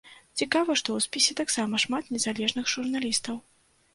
Цікава, што ў спісе таксама шмат незалежных журналістаў.